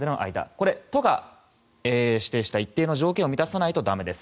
これ、都が指定した一定の条件を満たさないとだめです。